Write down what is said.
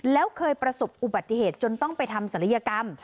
แล้วเคยประสบอุบัติเหตุจนต้องไปทำศัลยกรรม